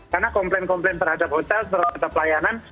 karena komplain komplain terhadap hotel terhadap pelayanan